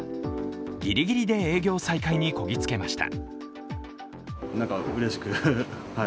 ギリギリで営業再開にこぎ着けました。